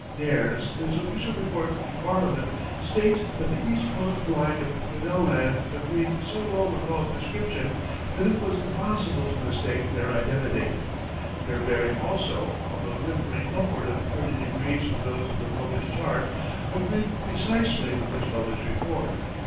Nares, in his official report to Parliament, states that the east coast line of Grinnell Land agreed "so well with Hall's description that it was impossible to mistake their identity. Their bearing also, although differing upward of thirty degrees from those of the published chart, agreed precisely with his published report."